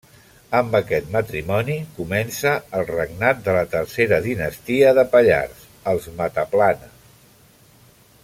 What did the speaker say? Amb aquest matrimoni, comença el regnat de la tercera dinastia de Pallars: els Mataplana.